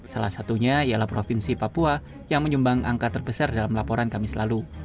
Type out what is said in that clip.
salah satunya ialah provinsi papua yang menyumbang angka terbesar dalam laporan kami selalu